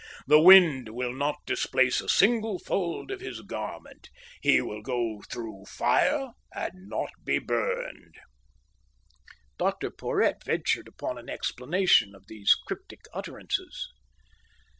The wind will not displace a single fold of his garment. He will go through fire and not be burned." Dr Porhoët ventured upon an explanation of these cryptic utterances.